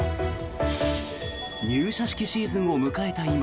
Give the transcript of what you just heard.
入社式シーズンを迎えた